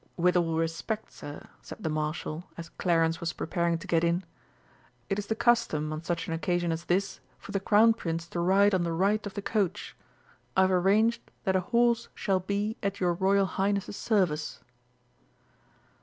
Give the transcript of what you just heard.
"With all respect, Sir," said the Marshal, as Clarence was preparing to get in. "It is the custom on such an occasion as this for the Crown Prince to ride on the right of the Coach. I have arranged that a horse shall be at your Royal Highness's service."